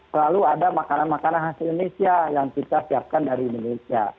selalu ada makanan makanan khas indonesia yang kita siapkan dari indonesia